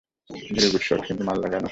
Very good shot, কিন্তু মারলা কেন?